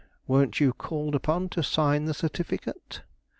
Weren't you called upon to sign the certificate?"